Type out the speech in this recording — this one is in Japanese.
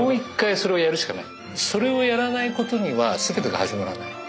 それをやらないことには全てが始まらない。